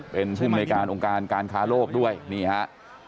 เป็นผู้มีในการองค์การการค้าโรคด้วยนี่ครับ